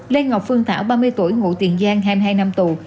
lê ngọc phương thảo ba mươi tuổi ngụ tiền giang hai mươi hai năm tù